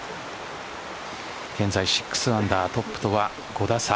現在６アンダートップとは５打差。